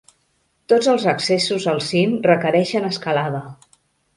Tots els accessos al cim requereixen escalada.